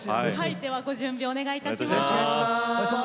ではご準備お願いいたします。